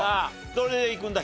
どれでいくんだ？